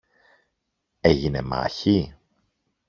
Έγινε μάχη;